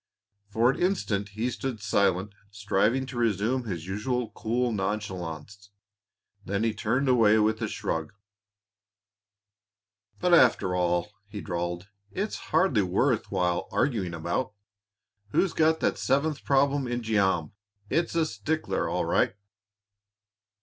For an instant he stood silent, striving to resume his usual cool nonchalance. Then he turned away with a shrug. "But after all," he drawled, "it's hardly worth while arguing about. Who's got that seventh problem in Geom? It's a sticker, all right."